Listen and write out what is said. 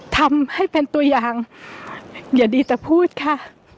ทำให้เป็นตัวอย่างอย่าดีแต่พูดค่ะ